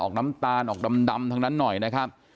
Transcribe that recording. น้ำตาลออกดำทั้งนั้นหน่อยนะครับ